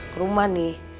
ke rumah nih